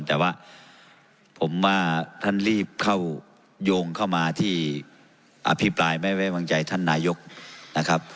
แต่ว่าผมว่าท่านรีบเข้าโยงเข้ามาที่อภิปรายไม่ไว้วางใจท่านนายกนะครับ